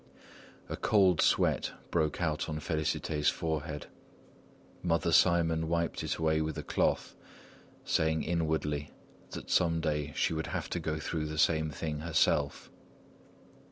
A cold sweat broke out on Félicité's forehead. Mother Simon wiped it away with a cloth, saying inwardly that some day she would have to go through the same thing herself.